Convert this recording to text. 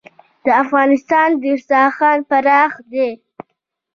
د افغانستان دسترخان پراخ دی